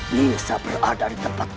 bisa berada di tempat